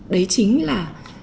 đấy chính là